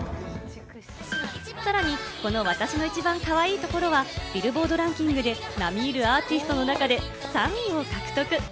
さらにこの『わたしの一番かわいいところ』はＢｉｌｌｂｏａｒｄランキングで並みいるアーティストの中で３位を獲得。